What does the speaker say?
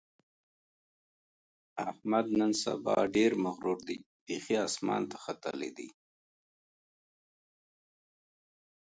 احمد نن سبا ډېر مغرور دی؛ بیخي اسمان ته ختلی دی.